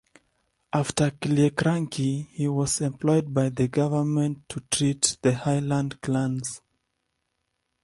After Killiecrankie he was employed by the government to treat with the Highland clans.